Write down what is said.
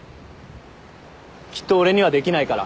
きっと俺にはできないから。